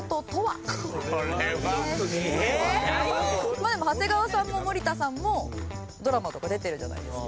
まあでも長谷川さんも森田さんもドラマとか出てるじゃないですか。